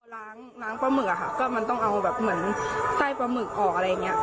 ล้างปลาหมึกมันต้องเอาแบบเหมือนไส้ปลาหมึกออกอะไรอย่างนี้